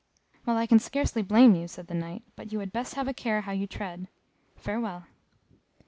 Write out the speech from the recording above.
"Well, I can scarce blame you," said the Knight, "but you had best have a care how you tread. Farewell."